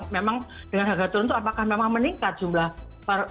memang dengan harga turun itu apakah memang meningkat jumlah